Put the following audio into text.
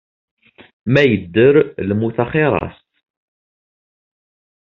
Ma yedder, lmut axir-as.